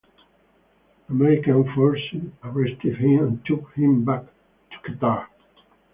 American forces arrested him and took him back to Qatar.